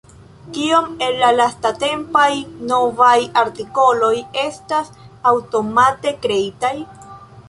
Kiom el la lastatempaj novaj artikoloj estas aŭtomate kreitaj?